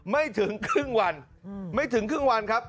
ไม่ถึงครึ่งวันไม่ถึงครึ่งวันครับ